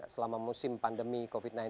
selama musim pandemi covid sembilan belas